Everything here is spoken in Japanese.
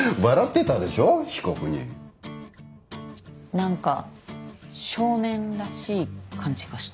何か少年らしい感じがした。